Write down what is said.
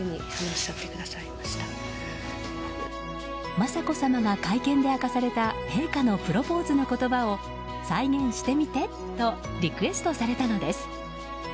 雅子さまが会見で明かされた陛下のプロポーズの言葉を再現してみてとリクエストされたのです。